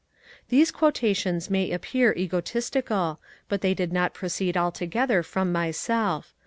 These quotations may appear egotistical, but they did not proceed altogether from myself.